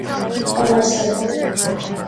An Ostair